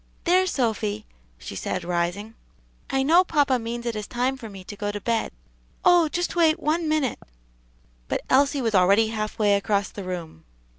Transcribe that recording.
"There, Sophy," she said, rising, "I know papa means it is time for me to go to bed." "Oh, just wait one minute!" But Elsie was already half way across the room.